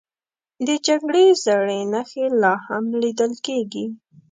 د جګړې زړې نښې لا هم لیدل کېږي.